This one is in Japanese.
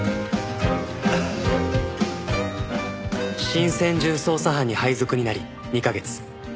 新専従捜査班に配属になり２カ月